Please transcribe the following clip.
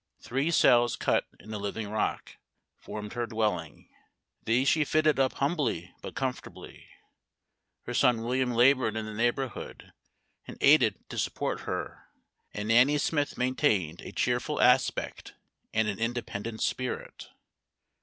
Three cells cut in the living rock, formed her dwelling; these she fitted up humbly but comfortably; her son William labored in the neighborhood, and aided to support her, and Nanny Smith maintained a cheerful aspect and an independent spirit.